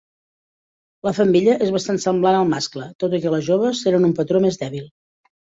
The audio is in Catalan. La femella és bastant semblant al mascle, tot i que les joves tenen un patró més dèbil.